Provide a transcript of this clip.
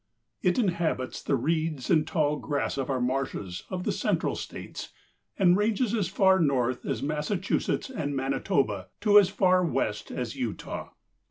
It inhabits the reeds and tall grass of our marshes of the central states and ranges as far north as Massachusetts and Manitoba to as far west as Utah.